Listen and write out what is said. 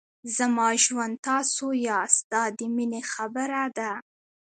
زما ژوند تاسو یاست دا د مینې خبره ده.